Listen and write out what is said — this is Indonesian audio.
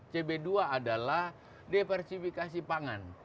cb dua adalah diversifikasi pangan